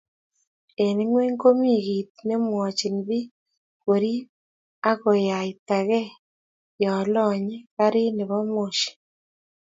Eng ingweny komi kiit nemwochini biik korib agoyatagia yo longe garit nebo moshi---